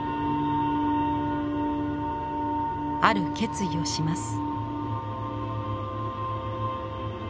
ある決意をします。